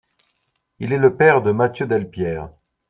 Il est le père de Matthieu Delpierre.